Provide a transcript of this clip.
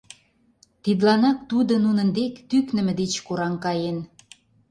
Тидланак тудо нунын дек тӱкнымӧ деч кораҥ каен.